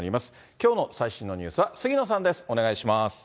きょうの最新のニュースは杉野さんです。